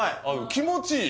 気持ちいい！